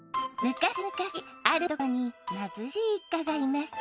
昔むかしあるところに貧しい一家がいました。